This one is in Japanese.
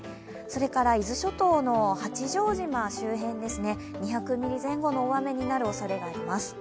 それから伊豆諸島の八丈島周辺ですね、２００ミリ前後の大雨になるおそれがあります。